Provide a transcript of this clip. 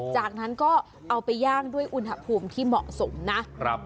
จากนั้นก็เอาไปย่างด้วยอุณหภูมิที่เหมาะสมนะครับ